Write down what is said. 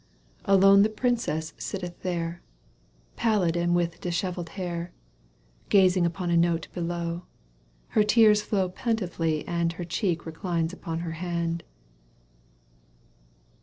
247 Alone the princess sitteth there, Pallid and with dishevelled hair, Gazing upon a note below. Her tears flow plentifully and у Her cheek reclines upon her hand.